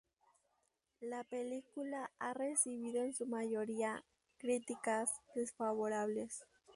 La película a recibido en su mayoría, críticas desfavorables.